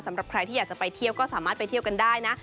สำหรับใครที่อยากจะไปเที่ยวก็สามารถไปเที่ยวกันได้นะ